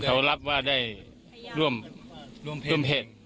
เขารับว่าได้ร่วมเพจ